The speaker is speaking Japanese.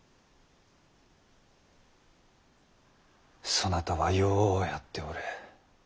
そなたはようやっておる。